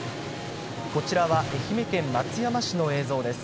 こちらは愛媛県松山市の映像です。